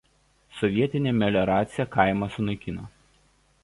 Sovietinė melioracija kaimą sunaikino.